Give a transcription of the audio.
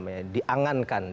dan juga dicitak citakan oleh